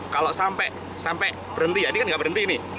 kalau sampai berhenti ya ini kan nggak berhenti nih